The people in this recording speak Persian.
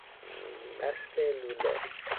بست لوله